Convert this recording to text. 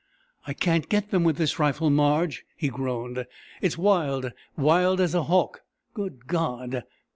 "I can't get them with this rifle, Marge," he groaned. "It's wild wild as a hawk! Good God!..."